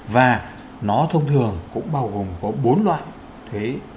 và nó thông thường cũng bao gồm có bốn loại